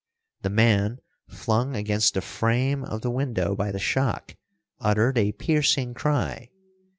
The man, flung against the frame of the window by the shock, uttered a piercing cry.